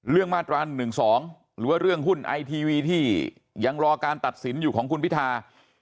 มาตรา๑๒หรือว่าเรื่องหุ้นไอทีวีที่ยังรอการตัดสินอยู่ของคุณพิธา